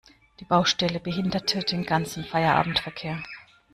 Die Baustelle behinderte den ganzen Feierabendverkehr.